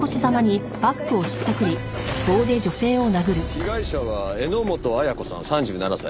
被害者は榎本彩子さん３７歳。